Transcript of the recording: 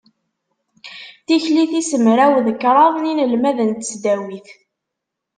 Tikli tis mraw d kraḍ n yinelmaden n tesdawit.